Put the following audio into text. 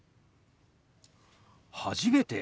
初めて？